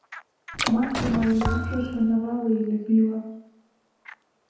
Матку маю дужа шанавала і любіла.